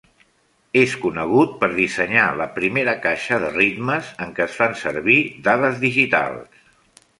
És conegut per dissenyar la primera caixa de ritmes en què es fan servir dades digitals.